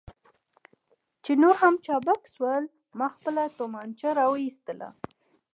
چې نور هم چابک شول، ما خپله تومانچه را وایستل.